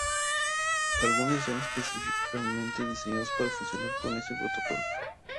Algunos están específicamente diseñados para funcionar con este protocolo.